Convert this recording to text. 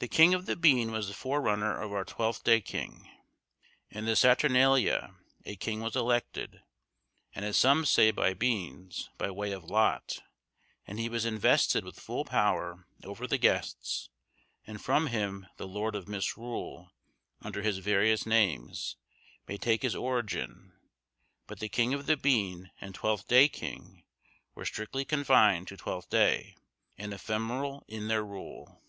The king of the bean was the forerunner of our Twelfth Day King; in the Saturnalia a king was elected, and as some say by beans, by way of lot, and he was invested with full power over the guests, and from him the lord of Misrule, under his various names, may take his origin; but the king of the bean and Twelfth Day king were strictly confined to Twelfth Day, and ephemeral in their rule.